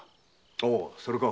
おうそれか。